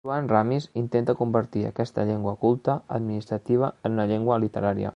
Joan Ramis intenta convertir aquesta llengua culta administrativa en una llengua literària.